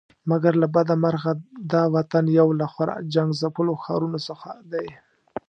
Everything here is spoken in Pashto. مګر له بده مرغه دا وطن یو له خورا جنګ ځپلو ښارونو څخه دی.